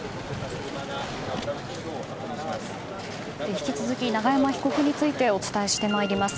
引き続き、永山被告についてお伝えしてまいります。